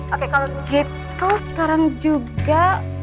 oke kalau gitu sekarang juga